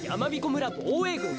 村ぼうえいぐん